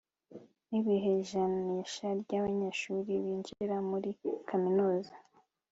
nibihe ijanisha ryabanyeshuri binjira muri kaminuza